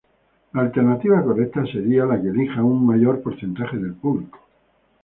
La alternativa correcta será la que elija un mayor porcentaje del público.